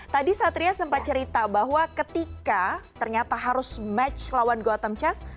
tadi satria sempat cerita bahwa ketika ternyata harus match lawan gotham chess